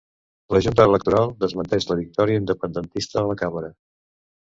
La Junta Electoral desmenteix la victòria independentista a la Cambra